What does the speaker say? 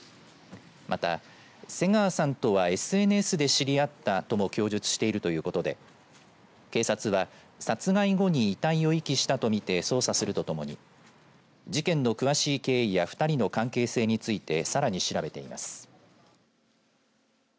また、瀬川さんとはＳＮＳで知り合ったとも供述しているということで警察は殺害後に遺体を遺棄したと見て捜査するとともに事件の詳しい経緯や２人の関係性についてさらに調べています。